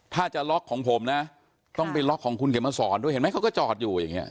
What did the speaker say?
ถ้าจะล็อกของผมนะต้องไปล็อกของคุณเขียนมาสอนด้วยเห็นไหมเขาก็จอดอยู่อย่างเงี้